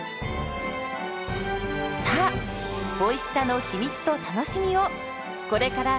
さあおいしさの秘密と楽しみをこれからひもときましょう。